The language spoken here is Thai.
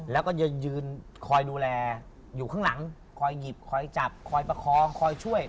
แล้วก็จะยืนคอยดูแลอยู่ข้างหลังคอยหยิบคอยจับคอยประคองคอยช่วย